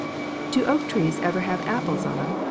"Do oak trees ever have apples on 'em?"